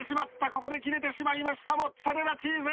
ここで切れてしまいましたモッツァレラチーズ！